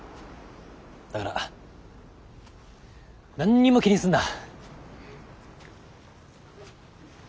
だから何にも気にすんな。